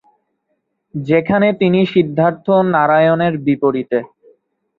যেখানে তিনি সিদ্ধার্থ নারায়ণ এর বিপরীতে।